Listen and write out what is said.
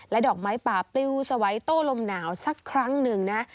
ดอกไม้ป่าปลิวสวัยโต้ลมหนาวสักครั้งหนึ่งนะ